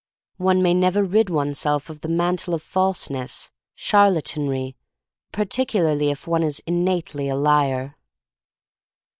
One may never rid oneself of the mantle of false ness, charlatanry — particularly if one is innately a liar.